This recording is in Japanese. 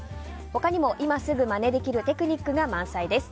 他にも今すぐまねできるテクニックが満載です。